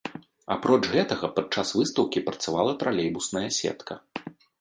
Апроч гэтага падчас выстаўкі працавала тралейбусная сетка.